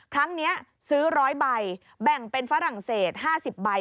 ครั้งนี้ซื้อ๑๐๐ใบแบ่งเป็นฝรั่งเศส๕๐ใบ